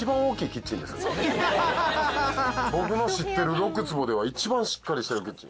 僕の知ってる６坪では一番しっかりしてるキッチン。